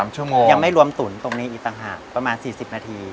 ชั่วโมงยังไม่รวมตุ๋นตรงนี้อีกต่างหากประมาณ๔๐นาที